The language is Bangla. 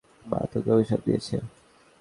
তুই সবসময় নালিশ করতি আমার মা তোকে অভিশাপ দিয়েছে।